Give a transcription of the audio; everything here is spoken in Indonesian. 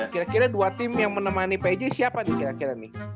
kira kira dua tim yang menemani pj siapa nih kira kira nih